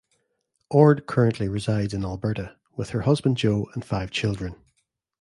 Ord currently resides in Alberta, with her husband Joe and five children.